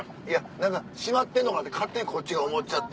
何か閉まってんのかなって勝手にこっちが思っちゃって。